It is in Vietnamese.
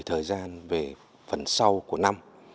thời gian về phần sau của năm